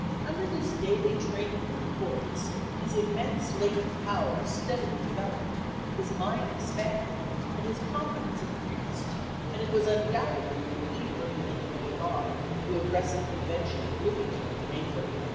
Under this daily training in the courts his immense latent powers steadily developed, his mind expanded and his confidence increased, and it was undoubtedly the leader of the Illinois bar who addressed the convention at Bloomington on May 29, 1856.